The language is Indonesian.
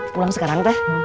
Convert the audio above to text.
pulang sekarang teh